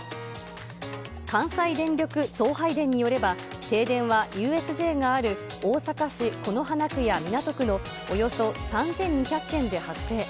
関西電力送配電によれば、停電はＵＳＪがある大阪市此花区や港区のおよそ３２００軒で発生。